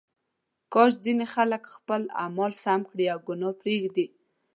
کاش ځینې خلک خپل اعمال سم کړي او ګناه پرېږدي.